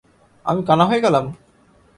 আমি কানা হয়ে গেলাম?